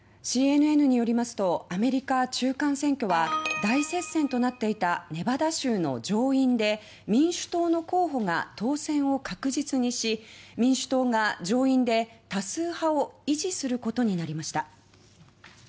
ＣＮＮによりますとアメリカ中間選挙は大接戦となっていたネバダ州の上院で民主党の候補が当選を確実にし民主党が上院で多数派を維持することになりました。